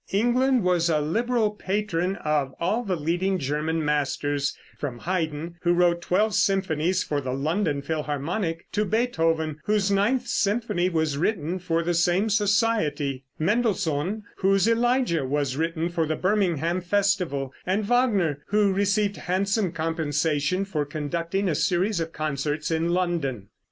England was a liberal patron of all the leading German masters, from Haydn, who wrote twelve symphonies for the London Philharmonic, to Beethoven, whose ninth symphony was written for the same society; Mendelssohn, whose "Elijah," was written for the Birmingham festival, and Wagner, who received handsome compensation for conducting a series of concerts in London.